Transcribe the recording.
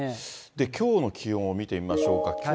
きょうの気温を見てみましょうか。